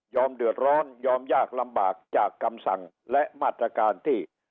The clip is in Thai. เดือดร้อนยอมยากลำบากจากคำสั่งและมาตรการที่